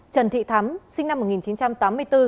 trần thị thắm sinh năm một nghìn chín trăm tám mươi bốn